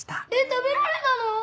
食べられたの？